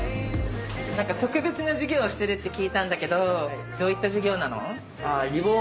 特別な授業をしてるって聞いたんだけどどういった授業なの？